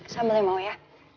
sambal yang mau ya